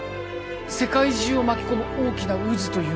世界中を巻き込む大きな渦というのは